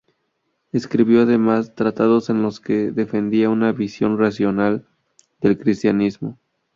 Escribió además tratados en los que defendía una visión racional del cristianismo.